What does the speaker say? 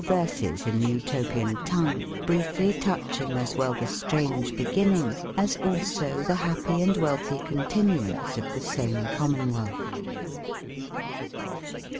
verses in the Otopian tongue, briefely toucbinge as well the straunge beginning, as also tbe bappic & wealtbie continuance of tbe same com/ mon wealtt^'^ '*'♦?